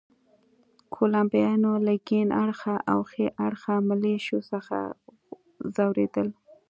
کولمبیایان له کیڼ اړخه او ښي اړخه ملېشو څخه ځورېدل.